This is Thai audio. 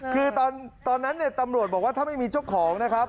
คือตอนนั้นเนี่ยตำรวจบอกว่าถ้าไม่มีเจ้าของนะครับ